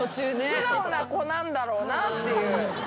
素直な子なんだろうなって印象。